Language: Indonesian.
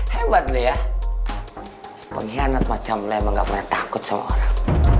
hebat lo ya penghianat macam lo emang gak pernah takut sama orang